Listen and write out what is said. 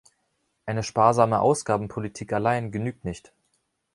Eine sparsame Ausgabenpolitik allein genügt nicht.